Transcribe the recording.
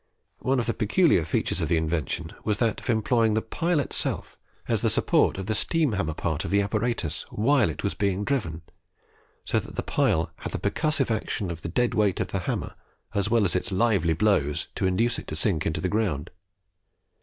One of the peculiar features of the invention was that of employing the pile itself as the support of the steam hammer part of the apparatus while it was being driven, so that the pile had the percussive action of the dead weight of the hammer as well as its lively blows to induce it to sink into the ground.